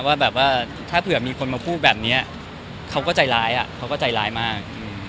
ว่าแบบว่าถ้าเผื่อมีคนมาพูดแบบนี้เขาก็ใจร้ายเขาก็ใจร้ายมาก